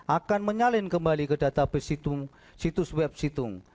akan menyalin kembali ke database situs web situng